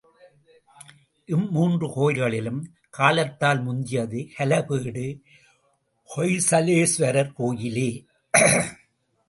இம்மூன்று கோயில்களிலும் காலத்தால் முந்தியது ஹலபேடு ஹொய்சலேஸ்வரர் கோயிலே.